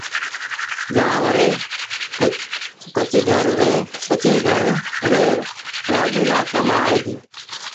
جآݩ وري ڪچي گھر ري رآڳي لآ ڪم آئي ديٚ